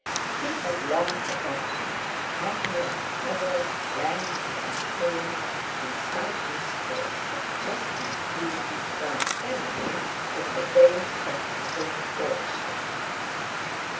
He had long forgotten how he had hovered, lanky and pale, in side whiskers of chestnut hue, round Emily, in the days of his own courtship.